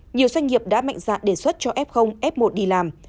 nhiều doanh nghiệp đã mạnh dạn đề xuất cho f f một đi làm